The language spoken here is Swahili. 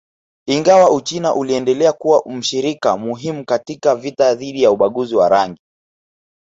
Ingawa Uchina iliendelea kuwa mshirika muhimu katika vita dhidi ya ubaguzi wa rangi